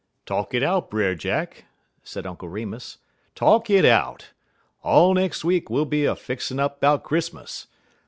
"Talk it out, Brer Jack," said Uncle Remus; "talk it out. All nex' week we'll be a fixin' up 'bout Chris'mus.